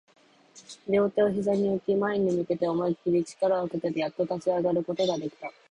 両手を膝に置き、前に向けて思いっきり力をかけて、やっと立ち上がることができた